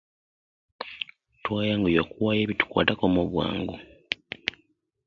Twayanguye okuwaayo ebitukwatako mu bwangu.